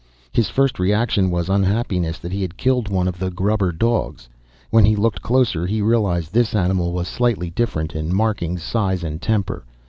His first reaction was unhappiness that he had killed one of the grubber dogs. When he looked closer he realized this animal was slightly different in markings, size and temper.